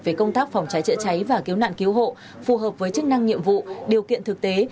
về công tác phòng cháy chữa cháy và cứu nạn cứu hộ phù hợp với chức năng nhiệm vụ điều kiện thực tế